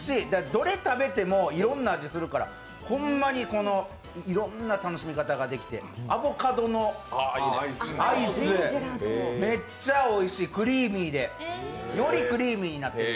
どれ食べてもいろんな味するからホンマにいろんな楽しみ方ができてアボカドのアイス、めっちゃおいしい、クリーミーで、よりクリーミーになってる。